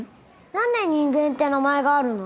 なんで人間って名前があるの？